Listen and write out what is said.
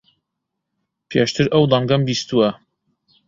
پێشتر ئەو دەنگەم بیستووە.